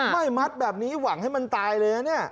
ไม่มัดแบบนี้หวังให้มันตายเลยนะเนี่ย